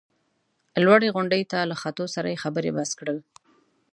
لوړې غونډۍ ته له ختو سره یې خبرې بس کړل.